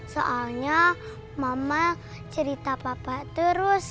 soalnya mama cerita papa terus